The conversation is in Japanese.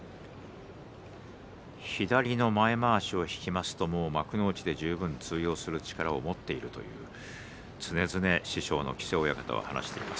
左の前まわしを引きますともう幕内で十分通用する力を持っているという常々、師匠の木瀬親方は話しています。